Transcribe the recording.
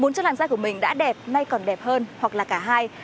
muốn cho làn da của mình đã đẹp nay còn đẹp hơn hoặc là cả hai